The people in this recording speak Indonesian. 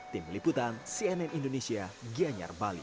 tim liputan cnn indonesia gianyar bali